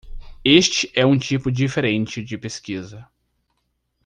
Este é um tipo diferente de pesquisa.